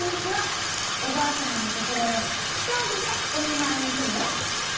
おばあさまのところへひとりでおみまいにいくのよ」。